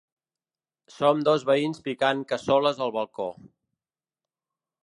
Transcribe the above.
Som dos veïns picant cassoles al balcó.